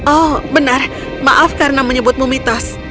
oh benar maaf karena menyebutmu mitos